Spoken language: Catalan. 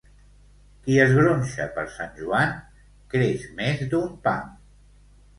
Qui es gronxa per Sant Joan creix més d'un pam.